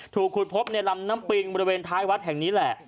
ถูกขุดพบในลำน้ำปิงบริเวณท้ายวัดแห่งนี้แหละ